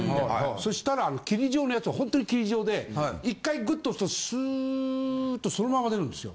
そしたら霧状のやつはほんとに霧状で１回グッと押すとスーッとそのまま出るんですよ。